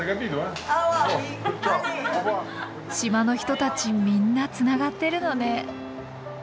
島の人たちみんなつながってるのね。